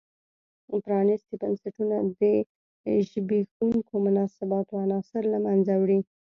پرانیستي بنسټونه د زبېښونکو مناسباتو عناصر له منځه وړي.